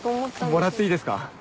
もらっていいですか？